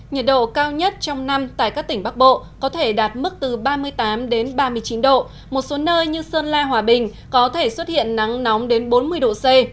nhiệt độ cao nhất trong năm tại các tỉnh bắc bộ có thể đạt mức từ ba mươi tám đến ba mươi chín độ một số nơi như sơn la hòa bình có thể xuất hiện nắng nóng đến bốn mươi độ c